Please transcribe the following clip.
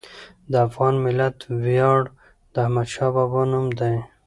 د افغان ملت ویاړ د احمدشاه بابا نوم دی.